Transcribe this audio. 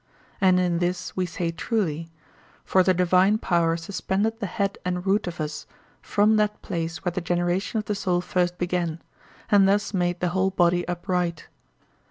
And in this we say truly; for the divine power suspended the head and root of us from that place where the generation of the soul first began, and thus made the whole body upright.